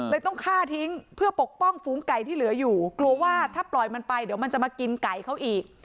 ต้องฆ่าทิ้งเพื่อปกป้องฝูงไก่ที่เหลืออยู่กลัวว่าถ้าปล่อยมันไปเดี๋ยวมันจะมากินไก่เขาอีก